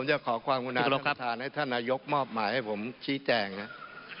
ผมจะขอขอบคุณท่านท่านให้ท่านนายกมอบหมายให้ผมชี้แจงครับ